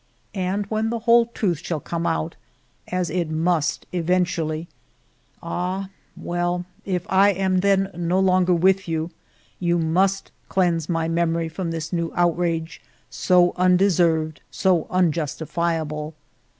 And when the whole truth shall come out — as it must eventually — ah, well ; if I am then no longer with you, you must cleanse my memory from this new outrage, so undeserved, so unjustifiable.